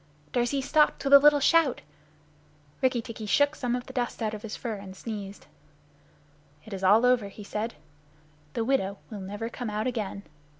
Darzee stopped with a little shout. Rikki tikki shook some of the dust out of his fur and sneezed. "It is all over," he said. "The widow will never come out again."